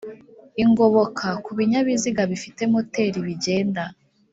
Ingoboka ku Binyabiziga Bifite moteri bigenda